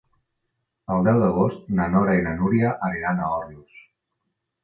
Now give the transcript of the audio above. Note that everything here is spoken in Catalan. El deu d'agost na Nora i na Núria aniran a Òrrius.